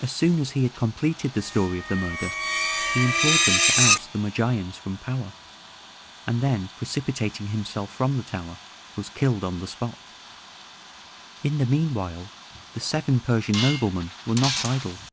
As soon as he had completed the story of the murder, he implored them to oust the Magians from power, and then precipitating himself from the tower, was killed on the spot. In the meanwhile the seven Persian noblemen were not idle.